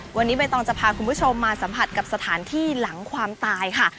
วันนี้ใบตองจะพาคุณผู้ชมมาสัมผัสกับสถานที่หลังความตายค่ะ